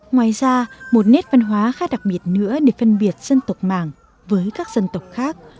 ngoài ra một nét văn hóa khá đặc biệt nữa để phân biệt dân tộc mạng với các dân tộc khác